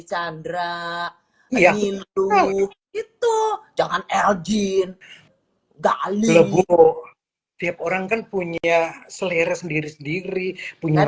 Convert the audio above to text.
chandra hindu itu jangan elgin gali loh bu tiap orang kan punya selera sendiri sendiri punya